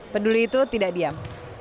peduli itu tidak diam